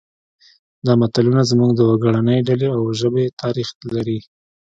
دا متلونه زموږ د وګړنۍ ډلې او ژبې تاریخ لري